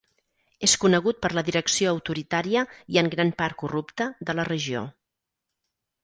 És conegut per la direcció autoritària i en gran part corrupte, de la regió.